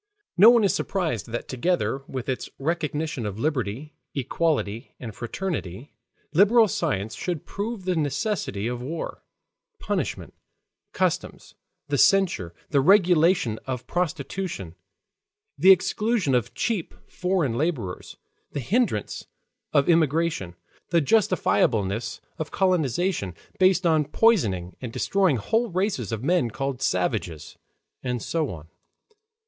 No one is surprised that together with its recognition of liberty, equality, and fraternity, liberal science should prove the necessity of war, punishment, customs, the censure, the regulation of prostitution, the exclusion of cheap foreign laborers, the hindrance of emigration, the justifiableness of colonization, based on poisoning and destroying whole races of men called savages, and so on.